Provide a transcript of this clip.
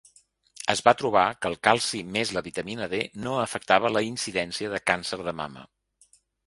Es va trobar que el calci més la vitamina D no afectava la incidència de càncer de mama.